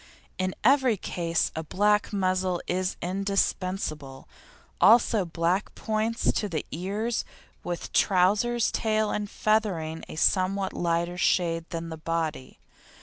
In every case a black muzzle is indispensable, also black points to the ears, with trousers, tail and feathering a somewhat lighter shade than the body.